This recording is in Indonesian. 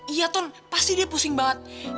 iya ton pasti dia pusing banget